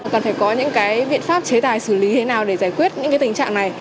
cần phải có những cái biện pháp chế tài xử lý thế nào để giải quyết những cái tình trạng này